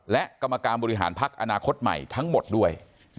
และกรรมการบริหารพักอนาคตใหม่ทั้งหมดด้วย